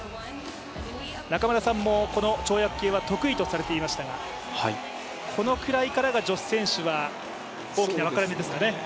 中村さんも、この跳躍系は得意されていましたが、このくらいからが女子選手は大きな分かれ目ですかね。